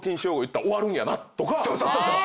そうそうそうそう！